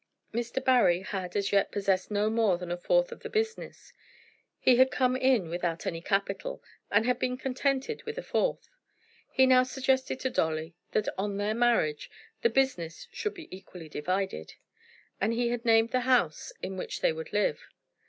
Mr. Barry had as yet possessed no more than a fourth of the business. He had come in without any capital, and had been contented with a fourth. He now suggested to Dolly that on their marriage the business should be equally divided. And he had named the house in which they would live.